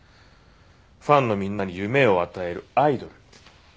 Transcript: ファンのみんなに夢を与えるアイドル。